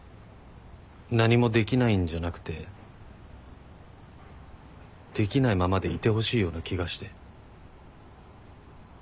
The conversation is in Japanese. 何もできないんじゃなくてできないままでいてほしいような気がして。